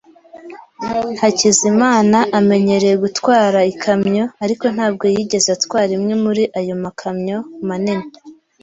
Hakizimana amenyereye gutwara ikamyo, ariko ntabwo yigeze atwara imwe muri ayo makamyo manini.